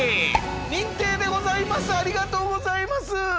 認定でございますありがとうございます。